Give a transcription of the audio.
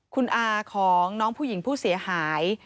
คุณอาของน้องผู้หญิงผู้เสียหาย